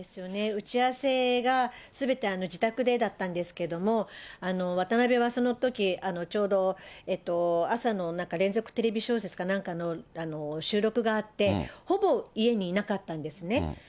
打ち合わせがすべて自宅でだったんですけれども、渡辺はそのとき、ちょうど朝のなんか連続テレビ小説かなんかの収録があって、ほぼ家にいなかったんですね。